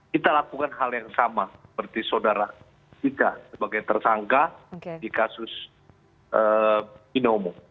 kita lakukan hal yang sama seperti saudara kita sebagai tersangka di kasus binomo